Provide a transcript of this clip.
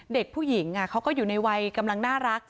เด็กผู้หญิงเขาก็อยู่ในวัยกำลังน่ารัก